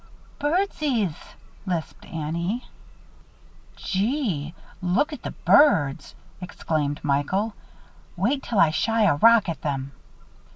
"Birdses," lisped Annie. "Gee! Look at the birds!" exclaimed Michael. "Wait till I shy a rock at them."